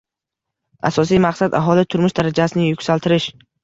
Asosiy maqsad aholi turmush darajasini yuksaltirish